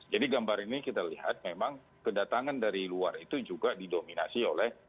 jadi gambar ini kita lihat memang kedatangan dari luar itu juga didominasi oleh